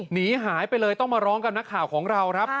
หนีหายไปเลยต้องมาร้องกับนักข่าวของเราครับ